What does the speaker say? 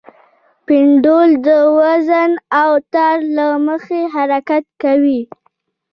پینډول د وزن او تار له مخې حرکت کوي.